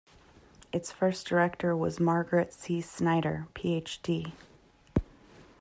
Its first director was Margaret C. Snyder, Ph.D.